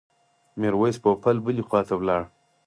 میرویس پوپل بلې خواته ولاړ.